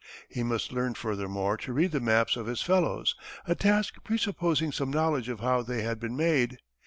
He must learn furthermore to read the maps of his fellows a task presupposing some knowledge of how they had been made.